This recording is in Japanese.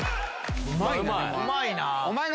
うまいな。